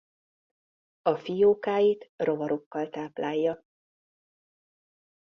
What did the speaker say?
A fiókáit rovarokkal táplálja.